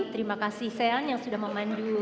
terima kasih sean yang sudah memandu